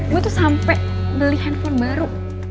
gue tuh sampai beli handphone baru